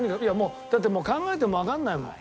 だってもう考えてもわからないもん。